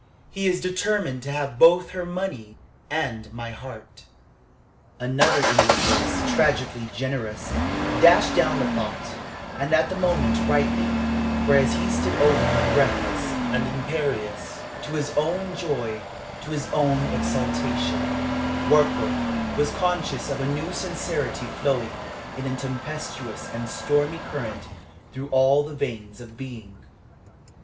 He is determined to have both her money and my heart." Another inward voice, tragically generous, dashed down the thought, and, at the moment, rightly; for as he stood over her, breathless and imperious, to his own joy, to his own exaltation, Warkworth was conscious of a new sincerity flowing in a tempestuous and stormy current through all the veins of being.